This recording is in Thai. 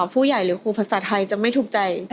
ผู้ใหญ่หรือครูภาษาไทยจะไม่ถูกใจ